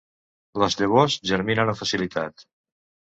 Les llavors germinen amb facilitat.